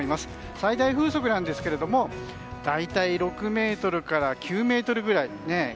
最大風速なんですけれども大体６メートルから９メートルぐらい。